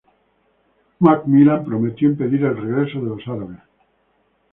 MacMillan prometió impedir el regreso de los árabes.